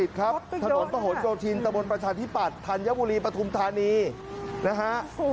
ถนนประหลโยธินตะบนประชาธิปัตยธัญบุรีปฐุมธานีนะฮะ